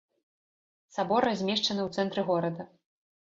Сабор размешчаны ў цэнтры горада.